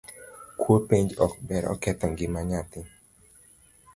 Kuo penj ok ber, oketho ngima nyathi